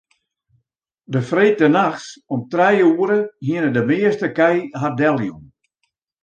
De freedtenachts om trije oere hiene de measte kij har deljûn.